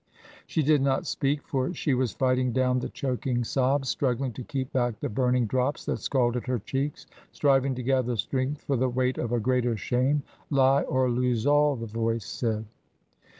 She did not speak, for she was fighting down the choking sobs, struggling to keep back the burning drops that scalded her cheeks, striving to gather strength for the weight of a greater shame. Lie, or lose all, the voice said.